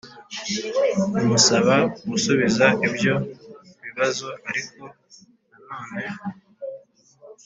Imusaba gusubiza ibyo bibazo ariko na none